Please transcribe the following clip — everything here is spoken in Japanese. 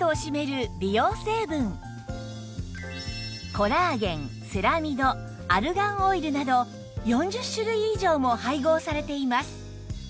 コラーゲンセラミドアルガンオイルなど４０種類以上も配合されています